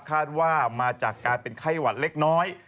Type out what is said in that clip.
คาดว่ามาจากการเป็นไข้หวัดเล็กน้อย